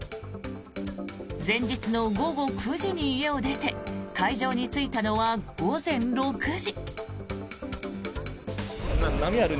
前日の午後９時に家を出て会場に着いたのは午前６時。